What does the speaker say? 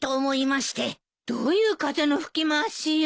どういう風の吹き回しよ。